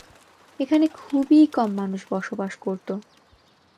এখানে খুবই কম মানুষ বসবাস করত।